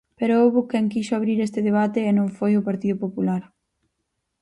Pero houbo quen quixo abrir este debate, e non foi o Partido Popular.